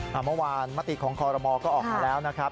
เมื่อวานมติของคอรมอก็ออกมาแล้วนะครับ